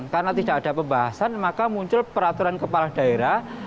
karena tidak ada pembahasan maka muncul peraturan kepala daerah